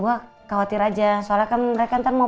wah khawatir aja soalnya kan mereka ntar mau